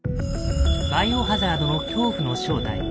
「バイオハザード」の恐怖の正体。